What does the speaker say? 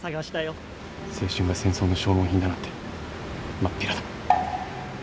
青春が戦争の消耗品だなんてまっぴらだ。